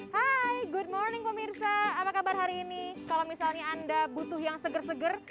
hai good morning pemirsa apa kabar hari ini kalau misalnya anda butuh yang seger seger